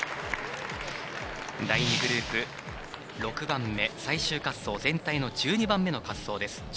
第２グループ、６番目最終滑走全体の１２番目の滑走です。